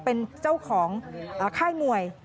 เป็นเจ้าของค่ายมวย